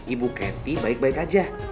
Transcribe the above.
ibu kanty baik baik aja